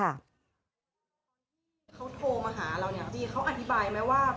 เขาโทรมาหาเราเนี่ยพี่เขาอธิบายไหมว่า